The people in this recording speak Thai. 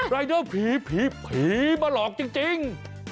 รายเดอร์ผีผีมาหลอกจริง